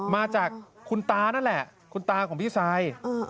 มาจากคุณตานั่นแหละคุณตาของพี่ซาย